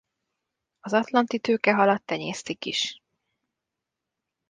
Az atlanti tőkehalat tenyésztik is.